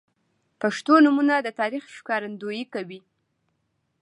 • پښتو نومونه د تاریخ ښکارندویي کوي.